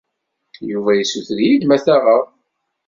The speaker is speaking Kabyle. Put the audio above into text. Yuba yessuter-iyi-d ma ad t-aɣeɣ.